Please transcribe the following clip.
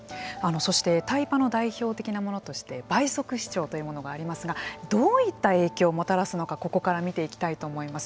そしてタイパの代表的なものとして倍速視聴というものがありますがどういった影響をもたらすのかここから見ていきたいと思います。